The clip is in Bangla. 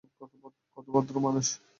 কত ভদ্র মানুষ।